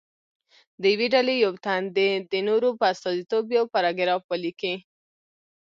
د یوې ډلې یو تن دې د نورو په استازیتوب یو پاراګراف ولیکي.